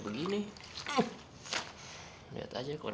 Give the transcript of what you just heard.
seharusnya k summ'em